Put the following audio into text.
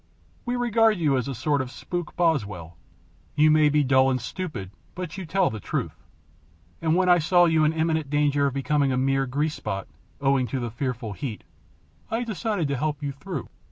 We regard you as a sort of spook Boswell. You may be dull and stupid, but you tell the truth, and when I saw you in imminent danger of becoming a mere grease spot, owing to the fearful heat, I decided to help you through.